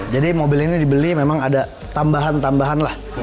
jadi mobil ini dibeli memang ada tambahan tambahan lah